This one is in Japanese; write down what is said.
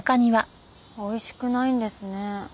おいしくないんですね